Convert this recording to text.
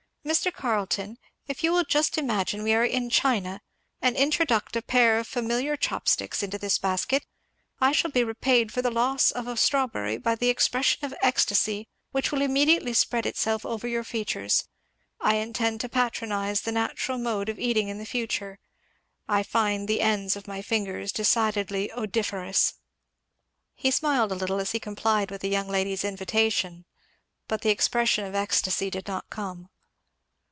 "Mr. Carleton, if you will just imagine we are in China, and introduct a pair of familiar chop sticks into this basket, I shall be repaid for the loss of a strawberry by the expression of ecstasy which will immediately spread itself over your features. I intend to patronize the natural mode of eating in future. I find the ends of my fingers decidedly odoriferous." He smiled a little as he complied with the young lady's invitation, but the expression of ecstasy did not come.